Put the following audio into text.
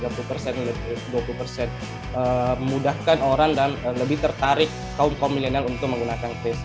memudahkan orang dan lebih tertarik kaum kaum milenial untuk menggunakan face